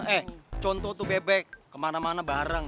eh contoh tuh bebek kemana mana bareng